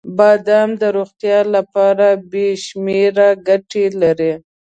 • بادام د روغتیا لپاره بې شمیره ګټې لري.